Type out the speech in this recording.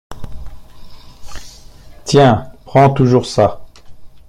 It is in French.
Tiens, prends toujours ça.